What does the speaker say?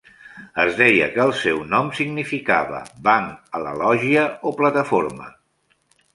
Es deia que el seu nom significava "banc a la lògia o plataforma".